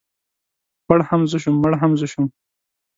پړ هم زه شوم مړ هم زه شوم.